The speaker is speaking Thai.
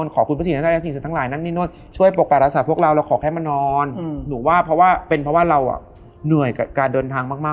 ก็คิดสาระตะทำอะไรมา